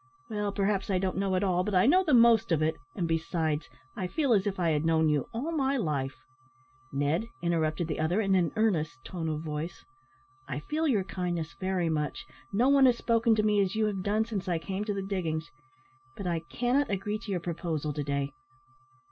"Well, perhaps I don't know it all, but I know the most of it, and besides, I feel as if I had known you all my life " "Ned," interrupted the other, in an earnest tone of voice, "I feel your kindness very much no one has spoken to me as you have done since I came to the diggings but I cannot agree to your proposal to day.